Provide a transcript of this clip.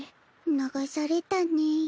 流されたね。